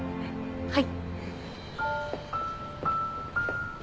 はい。